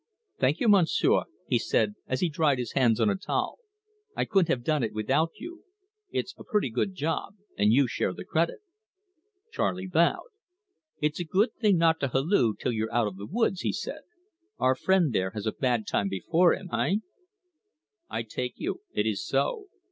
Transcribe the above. "Thank you, Monsieur," he said, as he dried his hands on a towel. "I couldn't have done it without you. It's a pretty good job; and you share the credit." Charley bowed. "It's a good thing not to halloo till you're out of the woods," he said. "Our friend there has a bad time before him hein?" "I take you. It is so."